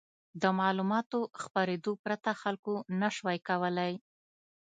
د معلوماتو خپرېدو پرته خلکو نه شوای کولای.